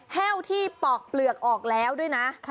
แห้วที่ปอกเปลือกออกแล้วด้วยนะ